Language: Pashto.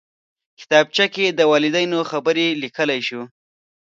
کتابچه کې د والدینو خبرې لیکلی شو